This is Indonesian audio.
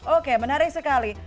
oke menarik sekali